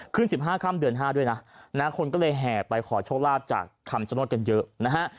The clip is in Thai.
ขึ้น๑๕ค่ำเดือน๕ด้วยนะคนก็เลยแห่ไปขอโชคลาภจากคำชโนธกันเยอะนะฮะ